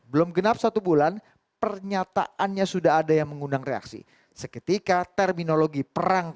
belum genap satu bulan pernyataannya sudah ada yang mengundang reaksi seketika terminologi perang